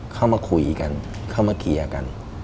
เข้ามาคุยกันเข้ามาเคลียร์กัน